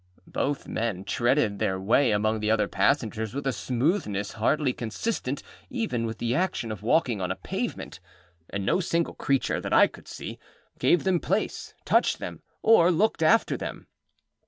Both men threaded their way among the other passengers with a smoothness hardly consistent even with the action of walking on a pavement; and no single creature, that I could see, gave them place, touched them, or looked after them.